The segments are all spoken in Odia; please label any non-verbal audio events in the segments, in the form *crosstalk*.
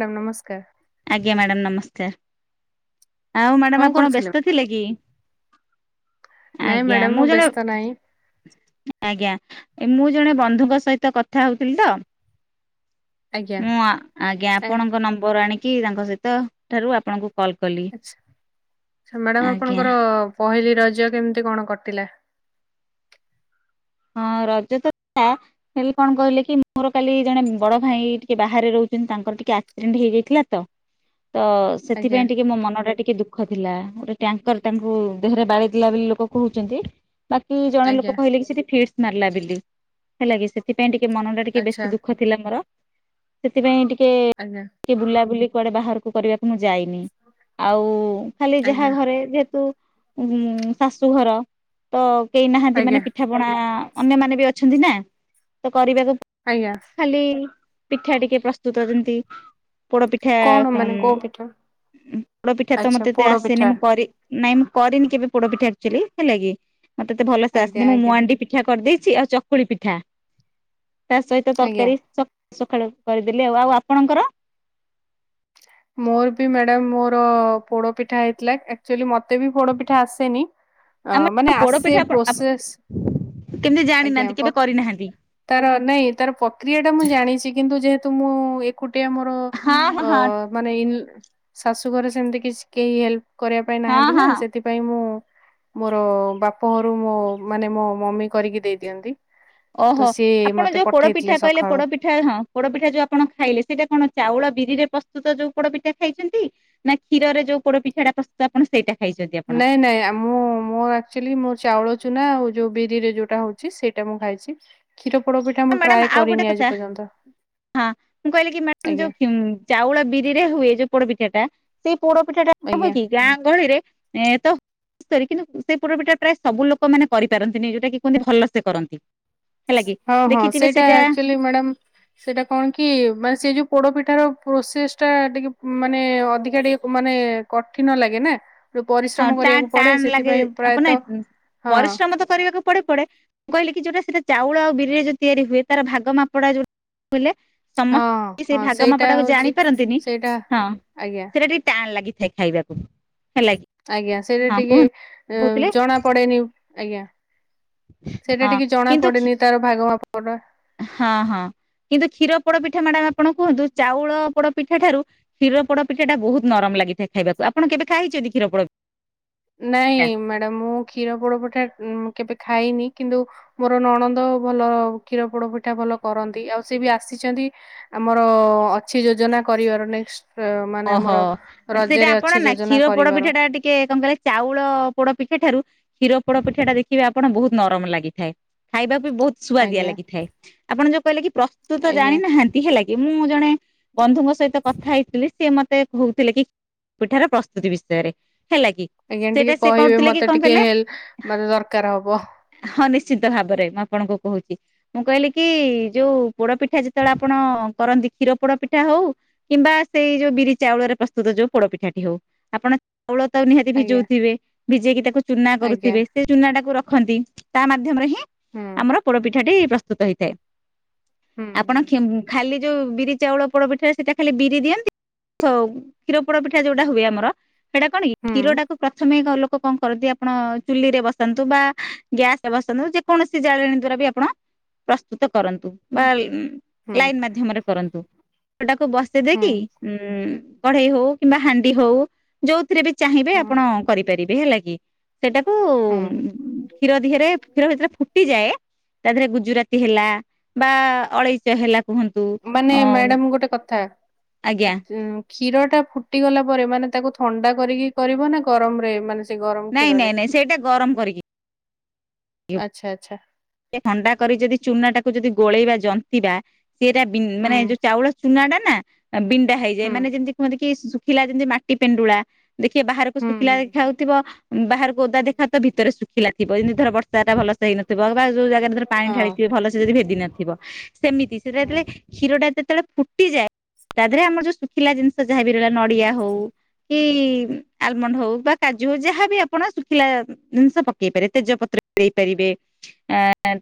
ସାର ନମସ୍କାର। ଆଜ୍ଞା ମ୍ୟାଡ଼ାମ ନମସ୍କାର ଆଉ କଣ ମ୍ୟାଡାମ ଆପଣ କରୁଥିଲେ? ବ୍ୟସ୍ତ ଥିଲେ କି ନାଇଁ ଆଜ୍ଞା ମ୍ୟାଡାମ ମୁଁ ଜଣେ ବ୍ୟସ୍ତ ନାହିଁ ଆଜ୍ଞା ମୁଁ ଜଣେ ବନ୍ଧୁଙ୍କ ସହିତ କଥା ହଉଥିଲି ତ। ଆଜ୍ଞା ମୁଁ ଆଜ୍ଞା ଆ ଆପଣଙ୍କ ନମ୍ବର ଆଣିକି ତାଙ୍କ ସହିତ ଠାରୁ ଆପଣଙ୍କୁ କଲ୍ କଲି ଆଛା ଆଛ ମ୍ୟାଡ଼ାାମ ଆଜ୍ଞା ଆପଣଙ୍କର ପହିଲି ରଜ କେମିତି କଣ କଟିଲା? ହଁ ରଜ ତ ହେଲେ କଣ କହିଲେ କି ମୋର କାଲି ଜଣେ ବଡ ଭାଇ ଟିକେ ବାହାରେ ରହୁଛନ୍ତି ତାଙ୍କର ଟିକେ ଆକ୍ସିଡେଣ୍ଟ ହେଇଯାଇଥିଲା ତ। ତ ଆଜ୍ଞା ସେଥିପାଇଁ ଟିକେ ମୋ ମନଟା ଟିକେ ଦୁଃଖ ଦୁଃଖ ଥିଲା ଗୋଟେ ଟ୍ୟାଙ୍କର ତାଙ୍କୁ ଦେହରେ ବାଡେଇଦେଲା ବୋଲି ଲୋକ କହୁଛନ୍ତି। ବାକି ଜଣେ ଲୋକ ଆଜ୍ଞା କହିଲେ କି ସେଠି ଫିଡସ ମାରିଲା ବେଲି ହେଲା କି ସେଥିପାଇଁ ଟିକେ ମନଟା ଟିକେ ଆଚ୍ଛା ବେଶୀ ଦୁଃଖ ଥିଲା ମୋର ସେଥିପାଇଁ ଟିକେ ଆଜ୍ଞା। କି ବୁଲାବୁଲି କୁଆଡେ ବାହାରକୁ କରିବା। ମୁଁ ଯାଇନି ଆଉ ଖାଲି ଯାହା ଆଜ୍ଞା ଘରେ ଯେହେତୁ ଉ ଶାଶୁଘର ତ କେହି ନାହାନ୍ତି ଆଜ୍ଞା ମାନେ ପିଠା ପଣା ଅନ୍ୟମାନେ ବି ଅଛନ୍ତି ନା ତ କରିବାକୁ ଆଜ୍ଞା। ଖାଲି ପିଠା ଟିକେ ପ୍ରସ୍ତୁତ ଯେମତି ପୋଡପିଠା କଣ ମାନେ କୋଉ ପିଠା? ପୋଡ ପିଠା ତ ଆଚ୍ଛା ମତେ ପୋଡ ଆସେନି ପିଠା ମୁଁ କରି ନାଇଁ ମୁଁ କରିନି କେବେ ପୋଡ ପିଠା ଆକ୍ଚୁଆଲି ହେଲା କିି ମତେତ ଭଲସେ ଆଜ୍ଞା ଆସିନି ମୁଁ ଆଜ୍ଞା ମୁଁଆଣ୍ଡି ପିଠା କରିଦେଇଛି ଆଉ ଚକୁଳି ପିଠା ତା ସହିତ ଆଜ୍ଞା। ତରକାରୀ ସକାଳୁ କରିଦେଲି ଆଉ ଆଉ ଆପଣଙ୍କର ମୋର ବି ମ୍ୟାଡାମ ମୋର ପୋଡ ପିଠା ହେଇଥିଲା। ଆ ଆକ୍ଚୁଆଲି ମତେ ବି ପୋଡ ପିଠା ଆସେନି ଆମର ମାନେ ଆସେ ପୋଡପିଠା ପ୍ରୋସେସ୍ କେମିତି ଜାଣିନାହାନ୍ତି କେବେ କରିନାହାନ୍ତି। ତାର ନାଇଁ ତାର ପ୍ରକ୍ରିୟା ଟା ମୁଁ ଜାଣିଛି କିନ୍ତୁ ଯେହେତୁ ମୁଁ ଏକୁଟିଆ ଆ ମୋର ହଁ ଅ ହଁ ମାନେ ଇନ ଶାଶୁଘରେ ସେମତି କିଛି କେହି ହେଲ୍ପ କରିବା ପାଇଁ ହଁ ନାହାନ୍ତି ହଁ ହଁ ନା ହଁ ସେଥିପାଇଁ ମୁଁ ମୋର ବାପ ଘରୁ ମୋ ମାନେ ମୋ ମମି କରିକି ଦେଇ ଦିଅନ୍ତି। ଓ ତ ହୋ ସିଏ ଆପଣ ମତେ ଯୋଉ ପୋଡପିଠା ପଠେଇଥିଲେ କହିଲେ ସକାଳୁ। ପୋଡପିଠା ପିଠା ହଁ ପୋଡପିଠା ଯୋଉ ଆପଣ ଖାଇଲେ ସେଇଟା କଣ ଚାଉଳ ବିରି ରେ ପ୍ରସ୍ତୁତ ଯୋଉ ପୋଡପିଠା ଖାଇଛନ୍ତି? ନାଁ କ୍ଷୀରରେ ଯୋଉ ପୋଡ ପିଠାଟା ପ୍ର ତ ଆପଣ ସେଇଟା ଖାଇଛନ୍ତି। ଆପଣ ନାଇଁ ନାଇଁ ଆମ ମୋ ଆ ଅକ୍ଚୁଆଲି ମୋ ଚାଉଳ ଚୁନା ଆଉ ଯୋଉ ବିରିରେ ଯୋଉଟା ହଉଛି ସେଇଟା ମୁଁ ଖାଇଛି। ଖିର ପୋଡ଼ ପିଠା। ମୁଁ ଟ୍ରାଏ ମ୍ୟାଡ଼ାମ ଆଉ ଗୋଟେ କରିନି ଆଜି କଥା। ପର୍ଯ୍ୟନ୍ତ ହଁ, ମୁଁ କହିଲି କି ମ୍ୟାଡ ଆଜ୍ଞା ଯୋଉ ଚାଉଳ ବିରି ରେ ହୁଏ ଯୋଉ ପୋଡପିଠା ଟା ସେଇ ପୋଡପିଠା ଟା ହୁଏ ଆଜ୍ଞା। କି? ଗାଁ ଗହଳିରେ ଏ ତ। କିନ୍ତୁ ସେ ପୋଡ଼ ପିଠା ଟା ପ୍ରାୟ ସବୁ ଲୋକ ମାନେ କରିପାରନ୍ତିନି ଯୋଉଟା କି କୁହନ୍ତି ଭଲ ସେ କରନ୍ତି ହେଲା କି? ହଁ- ହଁ ସେଇଟା ଆକ୍ଚୁଆଲି ମ୍ୟାଡ଼ମ ସେଇଟା କଣ କି ମାନେ ସେ ଯୋଉ ପୋଡପିଠା ର ପ୍ରୋସେସ୍ ଟା ଟିକେ ମାନେ ଅଧିକା ଟିକେ ମାନେ- କଠିନ ଲାଗେ ନା ହଁ ପରିଶ୍ରମ ଟାଣ କରିବାକୁ ପଡେ ଟାଣ ଲାଗେ ସେଥିପାଇଁ ଆପଣ ପ୍ରାୟତଃ ହଁ, ପରିଶ୍ରମ ତ କରିବାକୁ ପଡେ - ପଡେ। ମୁଁ କହିଲି କି ଯୋଉଟା ସେଟା ଚାଉଳ ଆଉ ବିରିଆ ଯୋଉ ତିଆରି ହୁଏ ତାର ଭାଗ ମାପଟା ଯୋଉଟା କହିଲେ। ହଁ ସମସ୍ତେ ସେ ହଁ ଭାଗ ସେଇଟା ମାପଟାକୁ ହଉଛି ଜାଣିପାରନ୍ତିନି। ସେଇଟା ହଁ, ଆଜ୍ଞା ସେଇଟା ଟିକେ ଟାଣ ଲାଗିଥାଏ ଖାଇବାକୁ ହେଲା କିି? ଆଜ୍ଞା ସେଇଟା ଟିକେ ଜଣା ପଡେନି। ଆଜ୍ଞା, ସେଇଟା ହଁ ଟିକେ ଜଣା କିନ୍ତୁ ପଡନି ତାର ଭାଗ ମାପଟା। ହଁ ହଁ କିନ୍ତୁ କ୍ଷୀର ପୋଡପିଠା ମ୍ୟାଡ଼ାମ ଆପଣ କୁହନ୍ତୁ। ଚାଉଳ ପୋଡପିଠା ଠାରୁ କ୍ଷୀର ପୋଡପିଠା ବହୁତ ନରମ ଲାଗି। ଖାଇବାକୁପଣ କେବେ ଖାଇଛନ୍ତି କ୍ଷୀର ପଡୋ ପି ନାଇଁ ମ୍ୟାଡ଼ାାମ ମୁଁ କ୍ଷୀର ପୋଡପିଠା କେବେ ଖାଇନି। କିନ୍ତୁ ମୋର ନଣନ୍ଦ ଭଲ କ୍ଷୀର ପୋଡପିଠା ଭଲ କରନ୍ତି। ଆଉ ସେ ବି ଆସିଛନ୍ତି। ଆମର ଅଛି ଯୋଜନା କରିବାର। ନେକ୍ସ ଓ ହୋ ସେଇଟା ଅଛି ଆପଣ ନା ଯୋଜନା କ୍ଷୀର ପୋଡ କରିବାର ପିଠା ଟା ଟିକେ କଣ କହିଲେ? ଚାଉଳ ପୋଡପିଠା ଠାରୁ କ୍ଷୀର ପୋଡ ପିଠା ଟା ଦେଖିବେ ଆପଣ ବହୁତ ନରମ ଲାଗିଥାଏ। ଖାଇବାକୁ ବହୁତ ସୁଆଦିଆ ଆଜ୍ଞା ଲାଗିଥାଏ ଆପଣ ଯୋଉ କହିଲେ କି ପ୍ରସ୍ତୁତ ଆଜ୍ଞା ଜାଣିନାହାନ୍ତି ହେଲା କି ମୁଁ ଜଣେ ବନ୍ଧୁଙ୍କ ସହିତ କଥା ହେଇଥିଲି ସିଏ ମତେ କହୁଥିଲେ କି ପିଠାର ପ୍ରସ୍ତୁତି ବିଷୟରେ ହେଲା କି ଆଜ୍ଞା ସେଇଟା ଟିକେ ସେ କହିବେ କରୁଥିଲେ କି ମତେ କଣ କହିଲେ ଟିକେ ହେଲ୍ପ ମାନେ ଦରକାର ହବ ହଁ ନିଶ୍ଚିତ ଭାବରେ ମୁଁ ଆପଣଙ୍କୁ କହୁଛି। ମୁଁ କହିଲି କି ଯୋଉ ପୋଡ ପିଠା ଯେତେବେଳେ ଆପଣ କରନ୍ତି କ୍ଷୀର ପୋଡ ପିଠା ହଉ, କିମ୍ବା ସେଇ ଯୋଉ ବିରି ଚାଉଳରେ ପ୍ରସ୍ତୁତ ଯୋଉ ପୋଡପିଠାଟି ହଉ ଆପଣ ଚାଉଳ ତା ନିହାତି ଆଜ୍ଞା ଭିଜଉଥିବେ ଭିଜେଇକି ତାକୁ ଚୁନା ଆଜ୍ଞା କରୁଥିବେ ସେ ଚୁନା ଟାକୁ ରଖନ୍ତି ତା ମାଧ୍ୟମରେ ହିଁ ହୁଁ ଆମର ପୋଡପିଠା ଟି ପ୍ରସ୍ତୁତ ହେଇଥାଏ। ହୁଁ ହୁଁ ଆପଣ ଖେମ୍ ଖାଲି ଯୋଉ ବିରି ଚାଉଳ ପୋଡ ପିଠାରେ ସେଇଟା ଖାଲି ବିରି ଦିଅନ୍ତ କ୍ଷୀର ପୋଡ ପିଠା ଯୋଉଟା ହୁଏ ଆମର ସେଇଟା କଣ କି ହୁଁ କ୍ଷୀରଟାକୁ ପ୍ରଥମେଲୋକ କ କଣ କରନ୍ତି ଆପଣ ଚୁଲିରେ ବସନ୍ତୁ ବା ଗ୍ୟାସ ରେ ବସନ୍ତୁ ଯେକୌଣସି ଜାଳେଣୀ ଦ୍ଵାରା ବି ଆପଣ ପ୍ରସ୍ତୁତ କରନ୍ତୁ ବା ହୁଁ ଲାଇନ୍ ମାଧ୍ୟମରେ କରନ୍ତୁ ସେଉଟାକୁ ବସେଇ ହୁଁ ଦେଇକି ଉଁ କଢେଇ ହଉ କିମ୍ବା ହାଣ୍ଡି ହଉ ଯୋଉଥିରେ ବି ଚାହିଁବେ ହୁଁ ଆପଣ କରିପାରିବେ ହେଲା କି ସେଟାକୁ ହୁଁ କ୍ଷୀର ଦିହରେ କ୍ଷୀର ଭତରେ ଫୁଟିଯାଏ ତା ଦେହରେ ଗୁଜୁରାତି ହେଲା ବା ଅଳେଇଚ ହେଲା କୁହନ୍ତୁ ମାନେ ଅ ମ୍ୟାଡାମ ଗୋଟେ କଥା ଆଜ୍ଞା କ୍ଷୀର ଟା ଫୁଟି ଗଲା ପରେ ମାନେ ତାକୁ ଥଣ୍ଡା କରିକି କରିବ ନା ଗରମ ରେ ମାନେ ସେ ଗରମ ନାଇଁ ନାଇଁ କ୍ଷୀରରେ ନାଇଁ ସେଇଟା ଗରମ କରିକି ଆଚଛା ଆଚଛା କେ ଥଣ୍ଡା କରି ଯଦି ଚୁନା ଟାକୁ ଯଦି ଗୋଳେଇବା ଜନ୍ତିବା ସେଟା ହୁଁ ମାନେ ଯୋଉ ଚାଉଳ ସୁନା ଟା ନା ବିଣ୍ଡା ହେଇଯାଏ ହୁଁ ମାନେ ଯେମିତି କୁହନ୍ତି କି ଶୁଖିଲା ଯେମିତି ମାଟି ପେଣ୍ଡୁଳା ଦେଖିବା ବାହାରକୁ ହୁଁ ଶୁଖିଲା ହୁଁ ଦେଖା ହାଉଥିବ ବାହାରକୁ ଓଦା ହୁଁ, ଦେଖାଉଥିବ ଭିତରେ ସୁ ଖିଲା ଥିବ ଯେମି ଧର ବର୍ଷା ଭଲସ ହେଇନଥିବ ବା ଯୋଉ ଜାଗାରେ ଧର ପାଣି ହଁ ଢାଳିଥିବ ଭଲ ସେ ଯଦ ଭେଦିନ ଥିବ ସେମିତି ସେଟା ହୁଁ ଯେତେବେଳେ କ୍ଷିରଟା ଯେତେବେଳେ ଫୁଟିଯାଏ ତା ଦେହରେ ଆମର ଯୋଉ ଶୁଖିଲା ଜିନିଷ ଯାହାବ ବି ରହିଲା ନଡିଆ ହଉ କି ଆଲମଣ୍ଡ ହଉ ବା କାଜୁ ହଉ ଯାହାବି ଆପଣ ଶୁଖିଲା ଜିନିଷ ପକେଇ ପାରିବେ ତେଜପତ୍ର ଦେଇ ପାରିବେ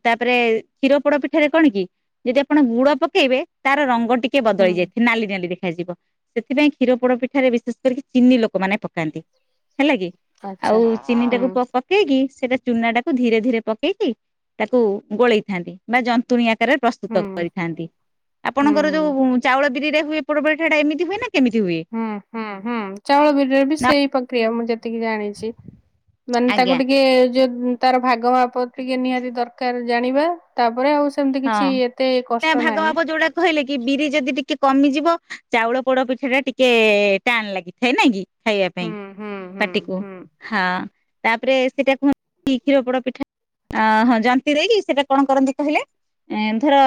ତାପରେ କ୍ଷୀର ପୋଡ ପିଠାରେ କଣ କି ଯଦି ଆପଣ ଗୁଡ ପକେଇବେ ତାର ରଙ୍ଗ ଟି କେ ବଦଳି ହୁଁ ଯାଇଥଏ ନାଲି ନାଲି ଦେଖାଯିବ ସେଥିପାଇଁ କ୍ଷୀର ପୋଡ ପିଠାରେ ବିଶେଷ କରିକି ଚିନି ଲୋକମାନେ ପକାନ୍ତି ହେଲା କି। ଆଉ ଆଚ୍ଛା ଚିନି ହୁଁ ଟାକୁ ପ ପକେଇକି ସେଇଟା ଚୁନା ଟାକୁ ଧୀରେ ଧୀରେ ପକେଇକି ତାକୁ ଗୋଳେଇଥାନ୍ତି ବା ଜନ୍ତୁଣୀ ଆକାରରେ ହୁଁ ପ୍ରସ୍ତୁତ କରିଥାନ୍ତି। ହୁଁ ଆପଣଙ୍କର ହୁଁ ଯୋଉ ଚାଉଳ ବିରିରେଆ ହୁଏ ପୋଡବଳ ଠଟା ଏମିତି ହୁଏ ନା କେମିତି ହୁଏ? ହୁଁ ହୁଁ ହୁଁ ଚାଉଳ ବିରିରେ ବି ସେଇ ପ୍ରକ୍ରିୟ ମୁଁ ଯେ ତିକି ଜାଣିଛି ମାନେ ତାକୁ ଆଜ୍ଞା ଟିକେ ଯୋଉ ତାର ଭାଗ ମାପ ଟିକେ ନିହାତି ଦରକାର ଜାଣିବା ତାପରେ ଆଉ ସେମିତି କିଛି ହଁ ଏତେ କଷ୍ଟ ଭାଗ ନାହିଁ ମାପ ଯୋଉଟା କହିଲେ କି ବିରି ଯଦି ଟିକେ କମିଯିବ ଚାଉଳ ପୋଡ ପିଠା ଟା ଟିକେ ଟାଣ ଲାଗିଥାଏ ନାଇ କି? ଖାଇବା ପାଇଁ ହୁଁ ହୁଁ ହୁଁ ପାଟିକୁ ହଁ ହୁଁ ତା ତାପରେ ସେଇଟା କୁହ କ୍ଷୀର ପୋଡ ପିଠା ହଁ ଜନ୍ତି ଦେଇକି ସେଇଟା କଣ କରନ୍ତି କହିଲେ? ଏନ୍ଥର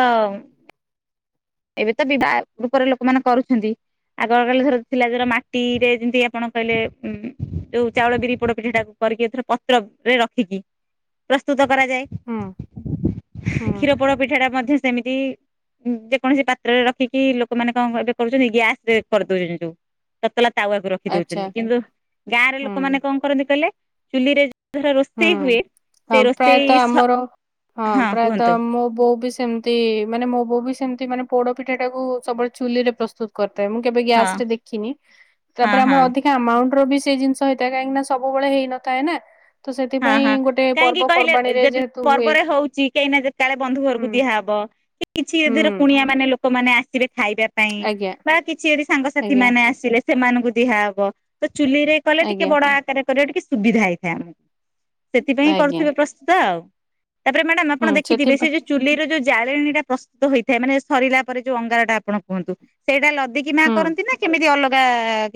ଏବେ ତ ବିବାହ ରୂପରେ ଲୋକମାନେ କରୁଛନ୍ତି ଆଗ କାଳେ ଧର ଥିଲା ଧର ମାଟି ରେ ଯେମିତି ଆପଣ କହିଲେ ଉଁ ଯୋଉ ଚାଉଳ ବିରି ପୋଡ ପିଠା ଟାକୁ କରିକି ଏଥର ପତ୍ର ରେ ରଖିକି ପ୍ରସ୍ତୁତ କରାଯାଏ ହୁଁ ହୁଁ କ୍ଷୀର ପୋଡ ପିଠା ଟା ମଧ୍ୟ ସେମିତି *unintelligible* କୌଣସି ପାତ୍ରରେ ରଖିକି ଲୋକମାନେ କଣ ଏବେ କରୁଛନ୍ତି ଗ୍ୟାସ ରେ କରିଦଉଛନ୍ତି ଯୋଉ ତତଲା ତାୱାକୁ ରଖି ଆଚ୍ଛା ଦଉଛନ୍ତି କିନ୍ତୁ ଗାଁର ହୁଁ ଲୋକମାନେ କଣ କରନ୍ତି କହିଲେ ଚୁଲିରେ ଉଧର ହୁଁ ରୋଷେଇ ହୁଏ ହଁ ସେ ରୋଷଇ ପ୍ରାୟତଃ ସ୍ ଆମର ହଁ ପ୍ରାୟତଃ ମୋ ବୋଉ ବି ସେମ ତି ମାନେ ମୋ ବୋଉ ବି ସେମିତି ମାନେ ପୋଡ ପିଠା ଟା କୁ ସବୁବେଳେ ଚୁଲିରେ ପ୍ରସ୍ତୁତ କରିଥାଏ ମୁଁ କେବେ ହଁ ଗ୍ୟାସ୍ ରେ ଦେଖିନି ହଁ ତାପରେ ହଁ। ଆମର ଅଧି ଆମାଉଣ୍ଟ ର ବି ସେ ଜିନିଷ ହେଇଥାଏ କାହିଁକି ନା ସବୁବେଳେ ହେଇନଥାଏ ନା। ତ ହଁ ସେଥିପାଇଁ ହଁ ଗୋଟେ କାହିଁକି କହିଲେ ପର୍ବପର୍ବାଣୀରେ ଯଦି ଯେହେତୁ ହୁଏ ପର୍ବରେ ହଉଛି କାହିଁକି ନା ଯେତେବେଳେ ବନ୍ଧୁ ହୁଁ ଘରକୁ ଦିଆହବ। କିଛି ଏଧିରେ ହୁଁ କୁଣିଆ ମାନେ ଲୋକ ଲୋକମାନେ ଆସିବେ ଖାଇବା ପାଇଁ ଆଜ୍ଞା ବା କିଛି ଯଦି ସାଙ୍ଗସାଥି ଆଜ୍ଞା ମାନେ ଆସିଲେ ସେମାନଙ୍କୁ ଦିଆହବ ତ ଚୁଲି ରେ କଲେ ଟିକେ ଆଜ୍ଞା ବଡ ଆକାରରେ କରିବା ଟିକେ ସୁବିଧା ହେଇଥାଏ ଆମକୁ। ସେଥିପାଇଁ ଆଜ୍ଞା କରୁଥିବେ ପ୍ରସ୍ତୁତ ଆଉ ତାପରେ ମ୍ୟାଡାାମ ଆପଣ ହୁଁ ଦେଖିଥିବେ ସେ ସେଥିପାଇଁ ଯୋଉ ଚୁଲିର ଯୋଉ ଜାଳେଣୀ ଟା ପ୍ରସ୍ତୁତ ହେଇଥାଏ ମାନେ ସରିଲା ପରେ ଯୋଉ ଅଙ୍ଗାରଟା ଆପଣ କୁହନ୍ତୁ ସେଇଟା ଲ *unintelligible* ମା ହୁଁ କରନ୍ତି ନା କେମିତି ଅଲଗା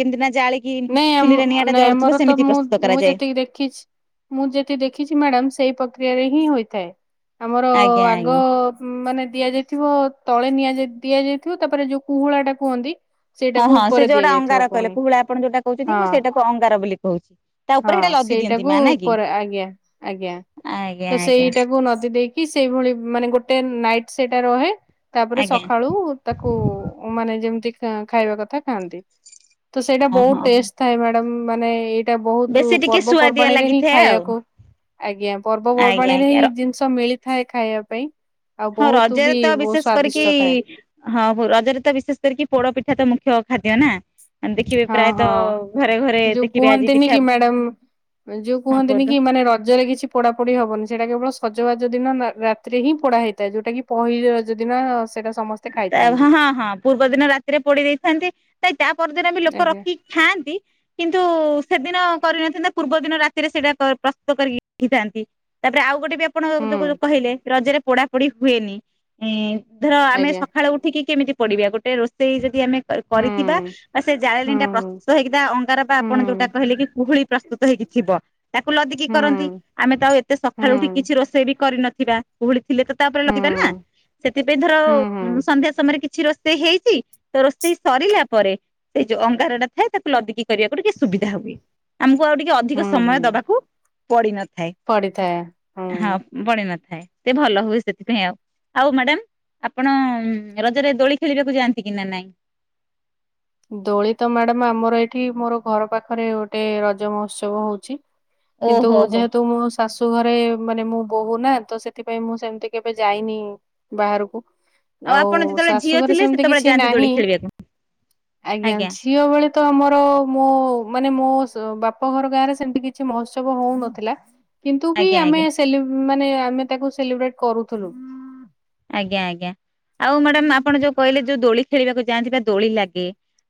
କେମିତି ନା ଜାଳିକି ନାଇଁ ଚୁଲିରେ ନିଆଁ ଆମ ଟା ନାଇଁ ଜଳୁଥିବ ଆମର ତ ସେମିତି ମୁଁ ପ୍ରସ୍ତୁତ ମୁଁ କରାଯାଏ ଯେତିକି ଦେଖିଛି ମୁଁ ଯେତିି ଦେଖିଛି ମ୍ୟାଡ଼ାାମ ସେଇ ପ୍ରକ୍ରିୟାରେ ହିଁ ହୋଇଥାଏ ଆମର ଆଜ୍ଞା ଆଜ୍ଞା। ଆଗ ମାନେ ଦିଆଯାଇଥିବ ତଳେ ନିଆ ଦିଆଯାଇଥିବ ତାପରେ ଯୋଉ କୁହୁଳା ଟା କୁହନ୍ତି ହଁ ସେଇଟାକୁ ହଁ ସେ ଉପରେ ଯୋଉଟା ଦିଆଯାଇଥିବ ଅଙ୍ଗାର କହିଲେ ପୁଣି କୁହୁଳା ଆପଣ ଯୋଉଟା କହୁଛନ୍ତି ମୁଁ ହଁ ସେଇଟାକୁ ଅଙ୍ଗାର ବୋଲି କହୁଛି। ତା ହଁ ଉପରେ ସେଇଟା ଲଦି ଦିଅନ୍ତି ସେଇଟାକୁ ମା ନାଇଁ କି ଉପରେ ଆଜ୍ଞା ଆଜ୍ଞା ଆଜ୍ଞା ତ ଆଜ୍ଞା ସେଇଟାକୁ ନଦୀ ଦେଇକି କି ସେଇଭଳି ମାନେ ଗୋଟେ ନାଇଟ୍ ସେଇଟା ରହେ ତାପରେ ଆଜ୍ଞା ସକାଳୁ ତାକୁ ମାନେ ଯେମିତି ଖାଇବା କଥା ଖାଆନ୍ତି ତ ସେଇଟା ବହୁତ ଓହୋ। ଟେଷ୍ଟ ଥାଏ ମ୍ୟାଡ଼ାମ ମାନେ ଏଇଟା ବହୁତ ତୋ ବେଶୀ ଟିକେ ସୁଆଦିଆ ପର୍ବପର୍ବାଣୀରେ ହିଁ ଲାଗିଥାଏ ଆଉ ଖାଇବାକୁ ଆଜ୍ଞା ଆଜ୍ଞା ପର୍ବପର୍ବାଣୀରେ ଆଜ୍ଞା ହିଁ ଜିନ ଷ ମିଳିଥାଏ ଖାଇବା ପାଇଁ। ଆଉ ହଁ ବହୁତ ରଜରେ ବି ତ ବହୁତ ବିଶେଷ କରିକି ସ୍ଵାଦିଷ୍ଟ ଥାଏ ହଁ ରଜରେ ତ ବିଶେଷ କରିକି ପୋଡ ପିଠା ତ ମୁଖ୍ୟ ଖାଦ୍ୟ ନା। ଦେଖିବେ ହଁ ହଁ ପ୍ରାୟତଃ ଘରେ ଘରେ ଯୋଉ ଦେଖିବେ ଆଜି କୁହନ୍ତିନି ପିଠା କି ମ୍ୟାଡାମ ଯୋଉ ହଁ କୁହନ୍ତିନି କୁହନ୍ତୁ। କି ମାନେ ରଜରେ କିଛି ପୋଡ଼ା ପୋଡ଼ି ହବନି ସେଇଟା କେବଳ ସଜବାଜ ଦିନ ରାତିରେ ହିଁ ପୋଡ଼ା ହେଇଥାଏ ଯଉଟା କିି ପହିଲ ରଜ ଦିନ ସେଇଟା ସମସ୍ତେ ଖାଇଥାନ୍ତି ହଁ ହଁ ପୂର୍ବ ଦିନ ରାତିରେ ପୋଡି ଦେଇଥାନ୍ତି କାଇଁ ତା ତା ପରଦିନ ବି ଲୋକ ଆଜ୍ଞା ରଖିକି ଖାନ୍ତି। କିନ୍ତୁ ସେଦିନ କରିନଥାନ୍ତା ପୂର୍ବ ଦିନ ରାତିରେ ସେଇଟା ପ୍ରସ୍ତୁତ କରିକି ରଖଥାନ୍ତି। ତାପରେ ଆଉ ଗୋଟେ ବି ଆପଣ ଯୋଉ ହୁଁ କହିଲେ ରଜରେ ପୋଢାପୋଡି ହୁଏନି ଧର ଆମେ ଆଜ୍ଞା ଳ ଉଠିକି କେମିତି ପଡିବା ଗୋଟେ ରୋଷେଇ ଯଦି ଆମେ କ ହୁଁ କରିଥିବା। ବା ସେ ହୁଁ ଜାଳେଣୀ ଟା ପ୍ରସ୍ତୁତ ହେଇକି ଅଙ୍ଗାର ବା ହୁଁ ଆପଣ ଯୋଉଟା କହିଲେ କି କୁହୁଳି ପ୍ରସ୍ତୁତ ହେଇକିଥିବ। ତାକୁ ଲଦିକି ହୁଁ କରନ୍ତି ଆମେ ତ ଆଉ ଏତେ ହୁଁ ସକାଳୁ ଉଠି କିଛି ରୋଷ ସେ ବି କରି ନଥିବା କୁହୁଳି ଥିଲେ ତ ତାପରେ ହୁଁ ଲଦିବା ନା ସେଥିପାଇଁ ଧର ହୁଁ ହୁଁ ସନ୍ଧ୍ୟା ସମ ମା ରେ କିଛି ରୋଷେଇ ହେଇଛି ତ ରୋଷେଇ ସରିଲା ପରେ ସେ ଯୋଉ ଅଙ୍ଗାର ଟା ଥାଏ ତାକୁ ଲଦିକି କରିବାକୁ ଟିକେ ସୁବିଧା ହୁଏ ଆମକୁ ଆଉ ଟିକେ ଅଧିକ ହୁଁ ହୁଁ ସମୟ ଦବାକୁ ପଡିନଥାଏ। ପଡିଥାଏ ହୁଁ। ବଣି ନଥାଏ ସେ ଭଲ ହୁଏ ସେଥିପାଇଁ ଆଉ ଆଉ ମ୍ୟାଡାମ ଆପଣ ରଜରେ ଦୋଳି ଖେଳିବାକୁ ଯାଆନ୍ତି କି ନା ନାଇଁ? ଦୋଳିତ ମ୍ୟାଡାମ ଆମର ଏଇଠି ମୋର ଘର ପାଖରେ ଗୋଟେ ରଜ ମହୋତ୍ସବ ହଉଛି। କିନ୍ତୁ ଓହୋ ହୋ ଯେହେତୁ ମୁଁ ଶାଶୁ ଘରେ ମାନେ ମୁଁ ବୋହୁନା ତ ସେଥିପାଇଁ ମୁଁ ସେମିତି କେବେ ଯାଇନି। ବାହାରକୁ ଆଉ ଆପଣ ଯେତେବେଳେ ଝିଅ ଶାଶୁଘରେ ଥିଲେ ସେମିତି ସେତେବେଳେ କିଛି ଯାଆନ୍ତି ଦୋଳି ନାହିଁ। ଖେଳିବାକୁ ଆଜ୍ଞା ଝିଅ ବେଳେ ତ ଆମର ମୋ ମାନେ ମୋ ବାପ ଘର ଗାଁ ରେ ସେମିତି କିଛି ମହୋ ତ୍ସବ ବ ହଉନଥିଲା କିନ୍ତୁ ବି ଆଜ୍ଞା ଆଜ୍ଞା ଆମେ ସେଲି ମାନେ ଆମେ ତାକୁ ସେଲିବ୍ରେଟ କରୁଥିଲୁ। ଆଜ୍ଞା ଆଜ୍ଞା ଆଉ ମ୍ୟାଡ଼ାାମ ଆପଣ ଯୋଉ କହିଲେ ଯୋଉ ଦୋଳି ଖେଳିବାକୁ ଯାଆନ୍ତି ବା ଦୋଳି ଲାଗେ।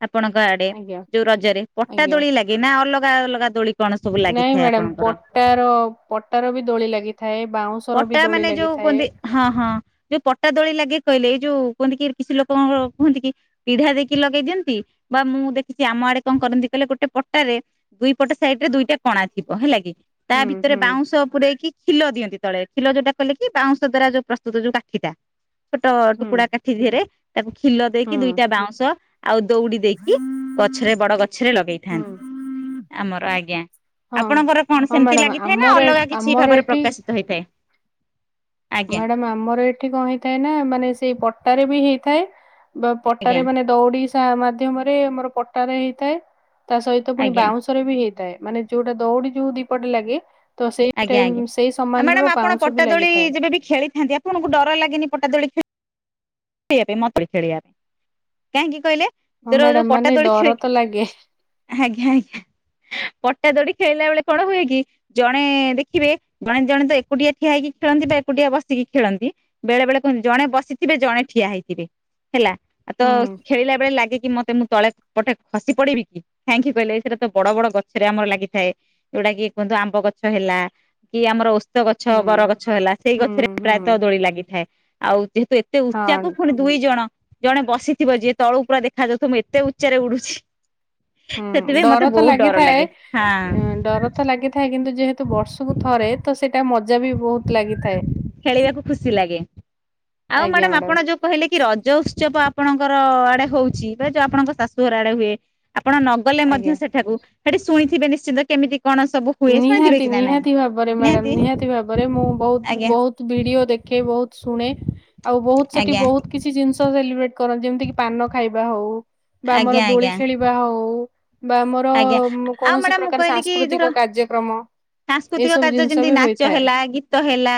ଆପଣଙ୍କ ଆଡେ ଆଜ୍ଞା ଯୋଉ ରଜରେ ପଟା ଆଜ୍ଞା। ଦୋଳି ଲାଗେ ନା ଅଲଗା ଅଲଗା ଦୋଳି? କଣ ସବୁ ନାଇଁ ଲାଗିଥାଏ ମ୍ୟାଡାମ ଆପଣଙ୍କର? ପଟାର ପଟାର ବି ଦୋଳି ଲାଗିଥାଏ ବାଉଁଶ। ପଟା ମାନେ ଯୋଉ କୁହନ୍ତି ହଁ ହଁ ଯୋଉ ପଟା ଦୋଳି ଲାଗେ କହିଲେ ଏଇ ଯୋଉ କୁହନ୍ତି କି କିଛି ଲୋକଙ୍କ କୁହନ୍ତି କି ପିଢା ଦେଇକି ଲଗେଇ ଦିଅନ୍ତି ବା ମୁଁ ଦେଖିଛି ଆମ ଆଡେ କଣ କରନ୍ତି କହିଲ ଗୋଟେ ପଟାରେ ଦୁଇ ପଟ ସାଇଡ ରେ ଦୁଇଟା କଣା ଥିବ ହେଲା କି ତା ହୁଁ ଭିତରେ ହୁଁ ବାଉଁଶ ପୁରେଇକି କ୍ଷିଲ ଦିଅନ୍ତି। ତଳେ କ୍ଷିଲ ଯୋଉଟା କଲେ କି ବାଉଁଶ ଦ୍ଵାରା ଯୋଉ ପ୍ରସ୍ତୁତ ଯୋଉ କାଠିଟା ଛୋଟ ହୁଁ ଟୁକୁଡା କାଠି ଧିରେ ତାକୁ କ୍ଷିଲ ଦେଇକି ହୁଁ ଦୁଇଟା ବାଉଁଶ ଆଉ ଦଉଡି ଦେଇକି ଗଛରେ ବଡ ଗଛରେ ହୁଁ ଲଗେଇଥାନ୍ତି। ଆମର ଆଜ୍ଞା ହଁ। ଆପଣଙ୍କର କଣ ହଁ ସେମିତି ମ୍ୟାଡାମ ଲାଗିଥାଏ ନା ଆମର ଏ- ଅଲଗା କିଛି ଆମର ଭାବରେ ଏଠି ପ୍ରକାଶ ହୋଇଥାଏ। ମ୍ୟାଡାମ ଆମର ଏଠି କଣ ହେଇଥାଏ ନା ମାନେ ସେଇ ପଟାରେ ବି ହେଇଥାଏ ବା ଆଜ୍ଞା ପଟାରେ ମାନେ ଦଉଡି ମାଧ୍ୟମରେ ଆମର ପଟାରେ ହେଇଥାଏ ତା ସହିତ ପୁଣି ଆଜ୍ଞା ବାଉଁଶ ବି ହେଇଥାଏ ମାନେ ଯୋଉଟା ଦୌଡି ଯୋଉ ଦିପଟେ ଲାଗେ। ତ ସେଇ ଆଜ୍ଞା ଆଜ୍ଞା ଟାଇମ ସେଇ ସମାନ ର ମ୍ୟାଡାମ ଆପଣ ବାଉଁଶ ବି ପଟାଦୋଳି ଲାଗିଥାଏ। ଯେବେବି ଖେଳିଥାନ୍ତି ଆପଣଙ୍କୁ ଡର ଲାଗେନି ପଟାଦୋଳି ଖେ ଖେଳିବା ପାଇଁ ମତେ ଖେଳିବା କାହିଁକି କହିଲେ ହଁ ସେଗୁରା ଯୋଉ ମ୍ୟାଡାମ ପଟା ମାନେ ଦୋଳି ଖେଳ ଡର ତ କି ଲାଗେ ଆଜ୍ଞା ଆଜ୍ଞା ପଟା ଦୋଳି ଖେଳିଲା ବେଳେ କଣ ହୁଏ କି ଜଣେ ଦେଖିବେ ଜଣେ ଜଣେ ତ ଏକୁଟିଆ ଠିଆ ହେଇକି ଖେଳନ୍ତି ବା ଏକୁଟିଆ ବସିକି ଖେଳନ୍ତି। ବେଳେ ବଳେ କୁହନ୍ତି ଜଣେ ବସିଥିବେ ଜଣେ ଠିଆ ହେଇଥିବେ ହେଲା ତ ହୁଁ ଖେଳିଲା ବେଳେ ଲାଗେ କି ମତେ ମୁଁ ତଳେ ପଟା ଖସି ପଡିବି କି କାହିଁକି କହିଲେ ଏଇଥିରେ ତ ବଡ ବଡ ଗଛରେ ଆମର ଲାଗିଥାଏ। ଯଉଟା କି କୁହନ୍ତୁ ଆମ୍ବ ଗଛ ହେଲା କି ଆମର ଓ ତ ଗଛ ହୁଁ ବର ଗଛ ହେଲା ସେଇ ହୁଁ ଗଛରେ ହୁଁ। ପ୍ରାୟତଃ ଦୋଳି ଲାଗିଥାଏ ଆଉ ଯେହେତୁ ଏତେ ହଁ ଉଚ୍ଚାକୁ ପୁଣି ଦୁଇ ଜଣ ଜଣେ ବସିଥିବ ଯିଏ ତଳୁ ପୁରା ଦେଖାାଯାଉଥିବ ମୁଁ ଏତେ ଉଚ୍ଚାରେ ଉଡୁଛି। ହୁଁ ସେଥିପାଇଁ ମତେ ଡର ତ ବହୁତ ଡର ଲାଗିଥାଏ ଲାଗେ ହଁ। ଏଁ ଡର ଲାଗିଥାଏ କିନ୍ତୁ ଯେହେତୁ ବର୍ଷକୁ ଥରେ ତ ସେଇଟା ମଜା ବି ବହୁତ ଲାଗିଥାଏ। ଖେଳିବାକୁ ଖୁସି ଲାଗେ ଆଉ ମ୍ୟାଡାମ ଆପଣ ଯୋଉ କହିଲେ କି ରଜ ଉତ୍ସବ ଆପଣଙ୍କର ଆଡେ ହଉଛି ବା ଯୋଉ ଆପଣଙ୍କ ଶାଶୁଘର ଆଡେ ହୁଏ। ଆପଣ ନଗଲେ ଆଜ୍ଞା। ମଧ୍ୟ ସେଠାକୁ ସେଠି ଶୁଣିଥିବେ ନିଶ୍ଚିନ୍ତ କେମିତି କଣ ସବୁ ହୁଏ ଶୁଣିଥିବେ ନିହାତି କି ନା ନାଇଁ ନିହାତି ଭାବରେ ମ୍ୟାଡାମ ନିହାତି। ଭାବରେ ମୁଁ ବହୁ ଆଜ୍ଞା ବହୁତ ଭିଡିଓ ଦେଖେ ବହୁତ ଶୁଣେ ଆଉ ବହୁତ ସେଠି ଆଜ୍ଞା ବହୁତ କିଛି ଜିନିଷ ସେଲିବ୍ରେଟ କରନ୍ତି ଯେମିତି କି ପାନ ଖାଇବା ହଉ। ବା ଆମର ଆଜ୍ଞା ଦୋଳି ଆଜ୍ଞା ଖେଳିବା ହଉ ବା ଆମର ଆଜ୍ଞା। ଆଉ କୌଣସି ମ୍ୟାଡାମ ମୁଁ ପ୍ରକାର କହିଲି କି ଧର ସାଂସ୍କୃତିକ କାର୍ଯ୍ୟକ୍ରମ। ସାଂସ୍କୃତିକ ଏସବୁ କାର୍ଯ୍ୟ ଜିନିଷ ଯେମିତି ବି ନାଚ ହୋଇଥାଏ ହେଲା ଗୀତ ହେଲା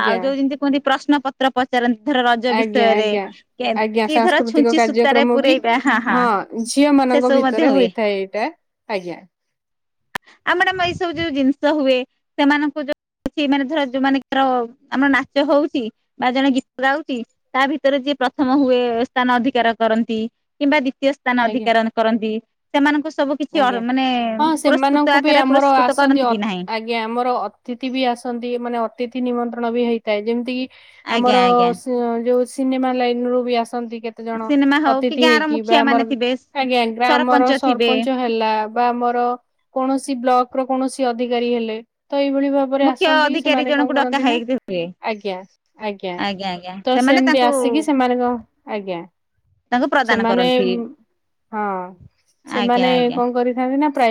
ଆଉ ଯୋଉ ଯେମିତି କୁହନ୍ତି ପ୍ରଶ୍ନ ପତ ପତ୍ର ପଚାରନ୍ତି ଧର ରଜ ଆଜ୍ଞା ବିଷୟରେ ଆଜ୍ଞା ଆଜ୍ଞା କି ଧର ସାଂସ୍କୃତିକ ଛୁଞ୍ଚି ସୂତାରେ କାର୍ଯ୍ୟକ୍ରମ ବି ପୁରେଇବେ ହଁ ହଁ। ଝିଅ ସେ ମାନଙ୍କ ସବୁ ମଧ୍ୟ ଭିତରେ ହୁଏ। ହୋଇଥାଏ ଏଇଟା ଆଜ୍ଞା। ଆ ମ୍ୟାଡ଼ାମ ଏଇ ସବୁ ଯୋଉ ଜିନିଷ ହୁଏ ସେମାନଙ୍କୁ ଯୋଉ ସେ ମାନେ ଧର ଯୋଉ ମନେକର ଆମର ନାଚ ହଉଛି। ବା ଜଣେ ଗୀତ ଗାଉଛି ତା ଭିତରେ ଯିଏ ପ୍ରଥମ ହୁଏ ସ୍ଥାନ ଅଧିକାର କରନ୍ତି କିମ୍ବା ଦ୍ୱିତୀୟ ସ୍ଥାନ ଆଜ୍ଞା ଅଧିକାରଣ କରନ୍ତି। ସେମାନଙ୍କୁ ସବୁ କିଛି ଅ ଆଜ୍ଞା। ମାନେ ହଁ ପୁରସ୍କୃତ ସେମାନଙ୍କୁ ବି ଆକାରରେ ଆମର ପୁରସ୍କୃତ ଆସନ୍ତି କରନ୍ତି ଅ କି ନାହିଁ? ଆଜ୍ଞ ଆଜ୍ଞା ଆମର ଅତିଥି ବି ଆସନ୍ତି ମାନେ ଅତିଥି ନିମନ୍ତ୍ରଣ ବି ହେଇଥାଏ। ଯେମିତି କିି ଆମର ଆଜ୍ଞା ଆଜ୍ଞା ସିଏ ଯୋଉ ସିନେମା ଲାଇନ ରୁ ବି ଆସନ୍ତି କେତେ କେତେ ଜଣ ସିନେମା ହଉ କି ଅତିଥି ଗାଁ ର ହେଇକି, ବା ମୁଖିଆ ଆମର ମାନେ ଥିବେ ଆଜ୍ଞା, ଗ୍ରାମର ସରପଞ୍ଚ ସ ଥିବେ ହେଲା ବା ଆମର କୌଣସି ବ୍ଳକର କୌଣସି ଅଧିକାରୀ ହେଲେ ତ ଏହିଭଳି ଭାବେ ତାପରେ ମୁଖ୍ୟ ଆସନ୍ତି ଅଧିକାରୀ ସେମାନେ କଣ ଜଣଙ୍କୁ ଡକା କରନ୍ତି ନା, ହେଇକି ହୁଏ ଆଜ୍ଞା, ଆଜ୍ଞା। ଆଜ୍ଞା ତ ସେମାନେ ସେମତି ତାଙ୍କୁ ଆସିକି ସେମାନେ କଣ ଆଜ୍ଞା। ତାଙ୍କୁ ପ୍ରଦାନ ସେମାନେ କରନ୍ତି ହଁ ଆଜ୍ଞା ସେମାନେ ଆଜ୍ଞା। କଣ କରିଥାନ୍ତି ନା ପ୍ରାଇ